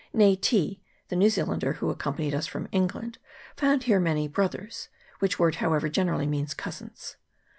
Nayti, the New Zealander who accompanied us from England, found here many brothers, which word, however, generally means cousins.